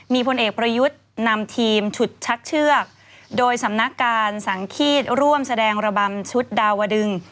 มีพลเอกประยุทธ์นำทีมฉุดชักเชือกโดยสำนักการสังฆีตร่วมแสดงระบำชุดดาวดึง